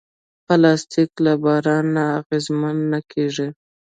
پلاستيک له باران نه اغېزمن نه کېږي.